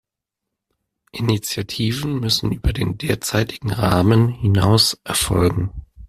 Initiativen müssen über den derzeitigen Rahmen hinaus erfolgen.